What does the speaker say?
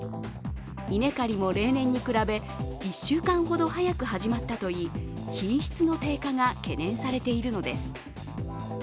稲刈りも例年に比べ１週間ほど早く始まったといい、品質の低下が懸念されているのです。